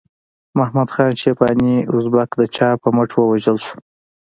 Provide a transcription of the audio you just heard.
محمد خان شیباني ازبک د چا په مټ ووژل شو؟